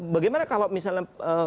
bagaimana kalau misalnya